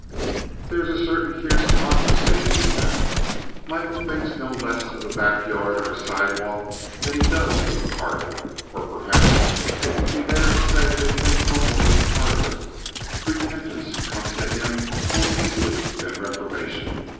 There is a certain fierce democracy in that. Michael thinks no less of a backyard or a sidewalk than he does of a parlor. Or perhaps it would be better to say he thinks no more of a parlor. Repentance comes to him more easily than reformation.